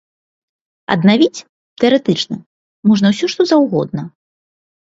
Аднавіць, тэарэтычна, можна ўсё, што заўгодна.